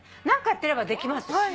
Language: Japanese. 何かやってればできますよ。